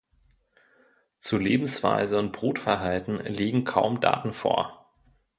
Zu Lebensweise und Brutverhalten liegen kaum Daten vor.